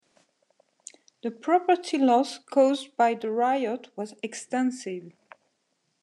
The property loss caused by the riot was extensive.